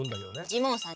ジモンさん！